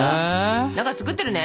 何か作ってるね？